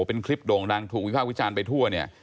เป็นคลิปโด่งดังถูกวิภาควิจารณ์ไปทั่วเนี่ย